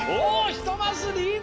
１マスリード。